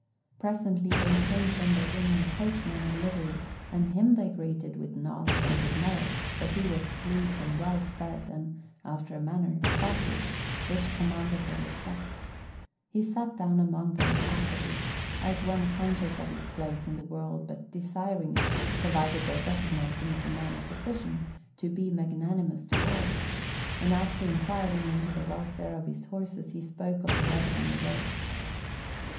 Presently there came from the inn a coachman in livery and him they greeted with nods and good morrows, for he was sleek and well fed and, after a manner, haughty, which commanded their respect. He sat down among them affably, as one conscious of his place in the world but desiring provided they recognized him as a man of position to be magnanimous to all; and after inquiring into the welfare of his horses he spoke of the weather and the roads.